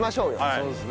そうですね。